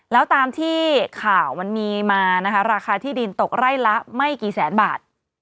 แล้วตามที่ข่าวมันมีมานะคะราคาที่ดินตกไร่ละไม่กี่แสนบาท